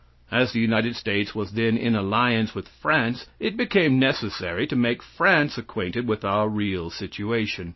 As the United States was then in alliance with France it became necessary to make France acquainted with our real situation.